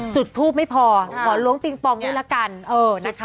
จุดทูปไม่พอขอลงปลิงปองนี่ละกันเออนะคะ